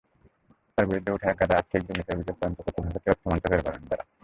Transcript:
তাঁর বিরুদ্ধে ওঠা একগাদা আর্থিক দুর্নীতির অভিযোগের তদন্ত করছে ভারতীয় অর্থমন্ত্রকের গোয়েন্দারা।